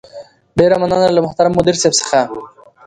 ډېره مننه له محترم مدير صيب څخه